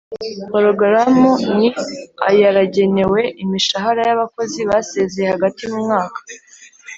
porogaramu ni ayaragenewe imishahara y abakozi basezeye hagati mu mwaka